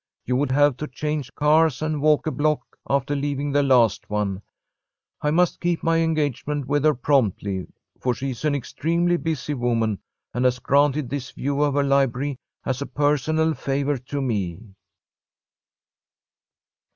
You would have to change cars and walk a block after leaving the last one. I must keep my engagement with her promptly, for she is an extremely busy woman, and has granted this view of her library as a personal favour to me."